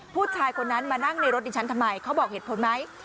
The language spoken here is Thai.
ผู้ชายคนนั้นมานั่งในรถดิฉันทำไมเขาบอกเหตุผลไหม